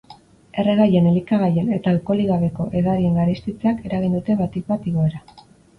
Erregaien, elikagaien eta alkoholik gabeko edarien garestitzeak eragin dute batik bat igoera.